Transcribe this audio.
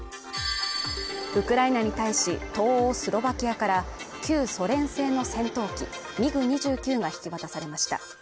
ウクライナに対しスロバキアから旧ソ連製の戦闘機ミグ２９が引き渡されました。